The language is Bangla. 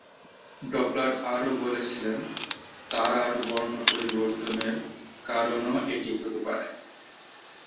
ডপলার আরও বলেছিলেন, তারার বর্ণ পরিবর্তনের কারণও এটি হতে পারে।